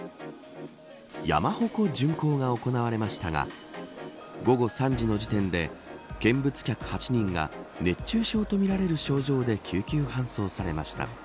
山鉾巡行が行われましたが午後３時の時点で見物客８人が熱中症とみられる症状で救急搬送されました。